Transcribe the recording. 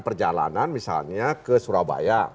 perjalanan misalnya ke surabaya